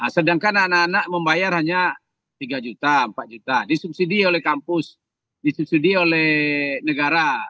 sedangkan anak anak membayar hanya tiga juta empat juta disubsidi oleh kampus disubsidi oleh negara